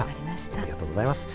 ありがとうございます。